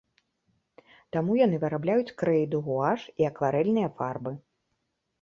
Таму яны вырабляюць крэйду, гуаш і акварэльныя фарбы.